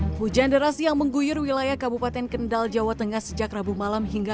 hai hujan deras yang mengguyur wilayah kabupaten kendal jawa tengah sejak rabu malam hingga